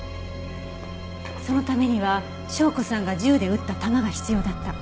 そのためには紹子さんが銃で撃った弾が必要だった。